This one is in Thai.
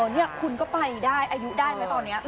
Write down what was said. นี่คุณก็ไปได้อายุได้ไหมตอนนี้